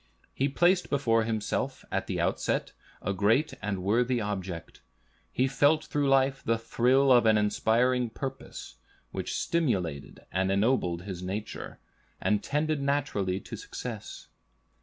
He placed before himself at the outset a great and worthy object; he felt through life the thrill of an inspiring purpose, which stimulated and ennobled his nature, and tended naturally to success.